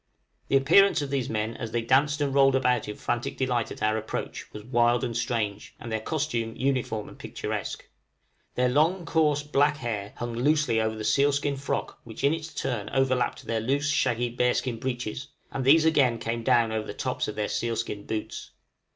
The appearance of these men, as they danced and rolled about in frantic delight at our approach, was wild and strange, and their costume uniform and picturesque. Their long, coarse, black hair hung loosely over the seal skin frock which in its turn overlapped their loose shaggy bear skin breeches, and these again came down over the tops of their seal skin boots.